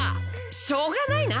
しょうがないな！